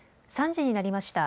３時になりました。